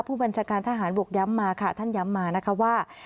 ผู้บัญชาการทหารบกย้ำมาค่ะท่านย้ำมานะคะว่า